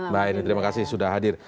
baik terima kasih sudah hadir